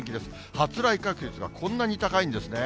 発雷確率がこんなに高いんですね。